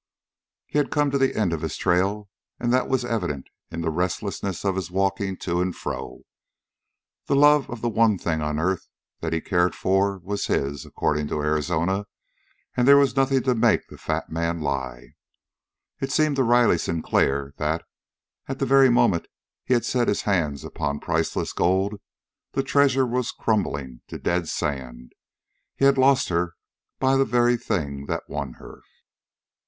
He had come to the end of his trail, and that was evident in the restlessness of his walking to and fro. The love of the one thing on earth that he cared for was his, according to Arizona, and there was nothing to make the fat man lie. It seemed to Riley Sinclair that, at the very moment he had set his hands upon priceless gold, the treasure was crumbling to dead sand. He had lost her by the very thing that won her.